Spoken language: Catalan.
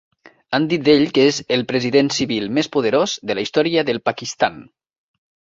Han dit d'ell que és el president civil més poderós de la història del Pakistan.